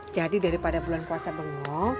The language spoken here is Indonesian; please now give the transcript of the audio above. jadi daripada bulan puasa bengong